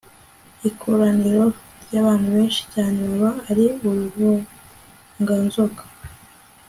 ikoraniro ry'abantu benshi cyane baba ari uruvunganzoka